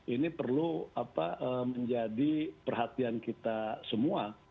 ini perlu menjadi perhatian kita semua